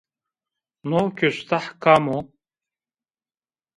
No kustah kam o?